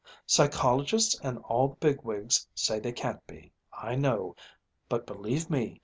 Psychologists and all the big wigs say they can't be, I know but, believe me!